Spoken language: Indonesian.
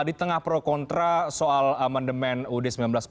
di tengah pro kontra soal amandemen uud seribu sembilan ratus empat puluh